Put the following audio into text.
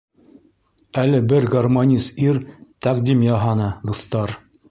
Әле бер гармонист ир тәҡдим яһаны, дуҫтар.